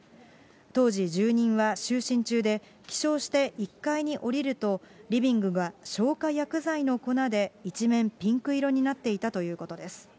当時、住人は就寝中で、起床して１階に下りると、リビングが消火薬剤の粉で一面ピンク色になっていたということです。